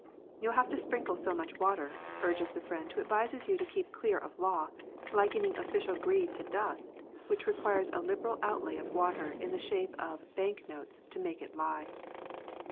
You'll have to sprinkle so much water, urges the friend who advises you to keep clear of law, likening official greed to dust, which re quires a liberal outlay of water in the shape of bank notes to make it lie.